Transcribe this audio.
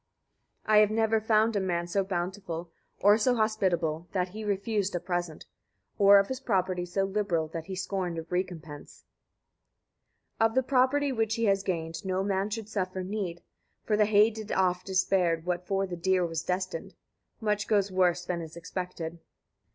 39. I have never found a man so bountiful, or so hospitable that he refused a present; or of his property so liberal that he scorned a recompense. 40. Of the property which he has gained no man should suffer need; for the hated oft is spared what for the dear was destined. Much goes worse than is expected.